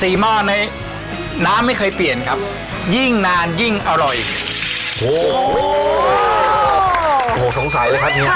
๔หม้อนี้น้ำไม่เคยเปลี่ยนครับยิ่งนานยิ่งอร่อย